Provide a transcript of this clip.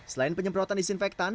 selain penyemprotan disinfektan